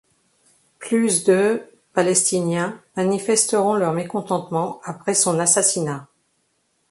Plus de palestiniens manifesteront leur mécontentement après son assassinat.